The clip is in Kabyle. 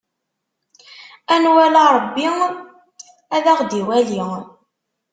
A nwali Ṛebbi, ad aɣ-d-iwali.